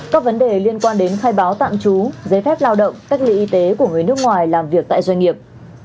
các vấn đề liên quan đến khai báo tạm trú giấy phép lao động cách ly y tế của người nước ngoài làm việc tại doanh nghiệp